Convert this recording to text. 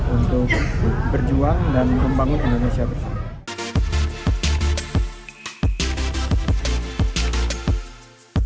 untuk berjuang dan membangun indonesia bersama